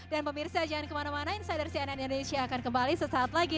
dan pemirsa jangan kemana mana insider cnn indonesia akan kembali sesaat lagi